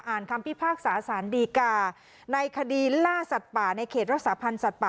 คำพิพากษาสารดีกาในคดีล่าสัตว์ป่าในเขตรักษาพันธ์สัตว์ป่า